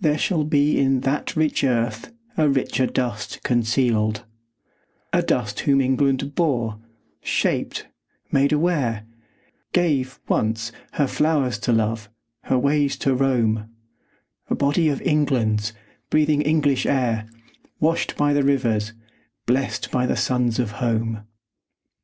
There shall be In that rich earth a richer dust concealed; A dust whom England bore, shaped, made aware, Gave, once, her flowers to love, her ways to roam, A body of England's, breathing English air, Washed by the rivers, blest by suns of home.